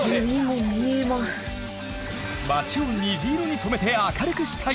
町を虹色に染めて明るくしたい！